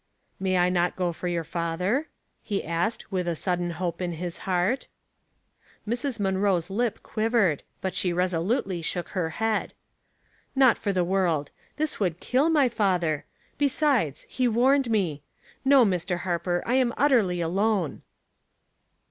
*' May I not go for your father ?" he asked, with a sudden hope in his heart. Mrs. Munroe's lip quivered, but she resolutely shook her head. "Not for the world. This would kill my father ; besides — he warned me. No, Mr. Har per, I am utterly alone."